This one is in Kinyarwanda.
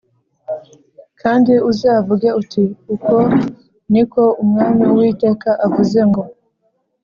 Kandi uzavuge uti ‘Uku ni ko Umwami Uwiteka avuze ngo: